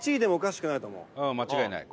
ああ間違いない。